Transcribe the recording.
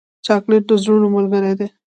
چاکلېټ د زړونو ملګری دی.